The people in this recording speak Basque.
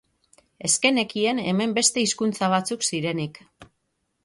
Ez genekien hemen beste hizkuntza batzuk zirenik.